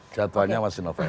jadwalnya masih november